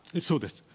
そうです。